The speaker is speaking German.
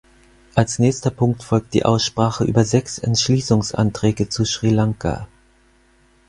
Als nächster Punkt folgt die Aussprache über sechs Entschließungsanträge zu Sri Lanka.